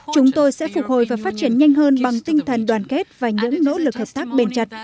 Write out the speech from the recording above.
chúng tôi sẽ phục hồi và phát triển nhanh hơn bằng tinh thần đoàn kết và những nỗ lực hợp tác bền chặt